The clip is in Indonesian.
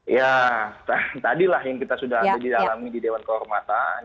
ya tadilah yang kita sudah didalami di dewan kehormatan